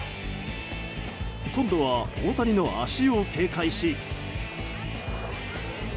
今度は大谷の足を警戒し。